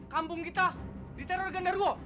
kampung kita diteror genderwo